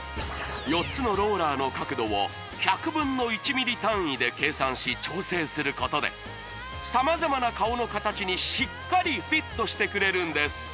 ４つのローラーの角度を１００分の１ミリ単位で計算し調整することで様々な顔の形にしっかりフィットしてくれるんです